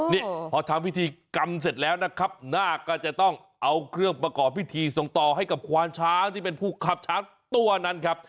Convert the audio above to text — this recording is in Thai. นี่พอทำพิธีกรรมเสร็จแล้วนะครับนาคก็จะต้องเอาเครื่องประกอบพิธีส่งต่อให้กับควานช้างที่เป็นผู้ขับช้างตัวนั้นครับ